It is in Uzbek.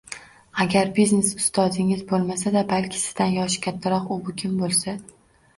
Agar biznes ustozingiz boʻlmasa-da, balki sizdan yoshi kattaroq u-bu kim boʻlsa